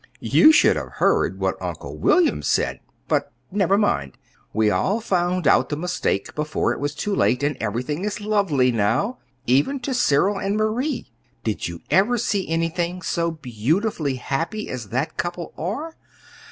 "You should have heard what Uncle William said! But never mind. We all found out the mistake before it was too late, and everything is lovely now, even to Cyril and Marie. Did you ever see anything so beatifically happy as that couple are?